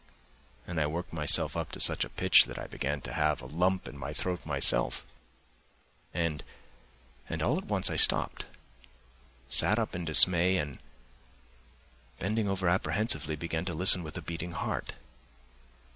'" And I worked myself up to such a pitch that I began to have a lump in my throat myself, and ... and all at once I stopped, sat up in dismay and, bending over apprehensively, began to listen with a beating heart.